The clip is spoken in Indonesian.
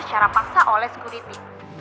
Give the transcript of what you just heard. secara paksa oleh security